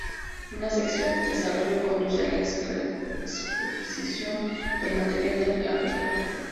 Una sección de desarrollo conduce a la reexposición del material de apertura.